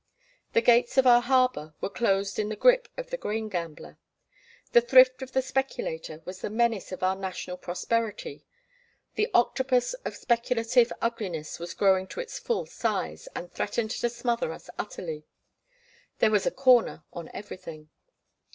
The gates of our harbour were closed in the grip of the grain gambler. The thrift of the speculator was the menace of our national prosperity. The octopus of speculative ugliness was growing to its full size, and threatened to smother us utterly. There was a "corner" on everything.